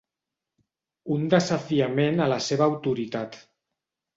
Un desafiament a la seva autoritat.